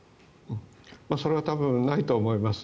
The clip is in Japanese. それは多分ないと思います。